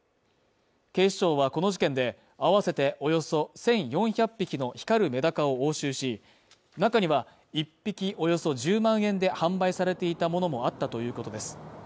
警視庁はこの事件で合わせておよそ１４００匹の光るメダカを押収し中には１匹およそ１０万円で販売されていたものもあったということです。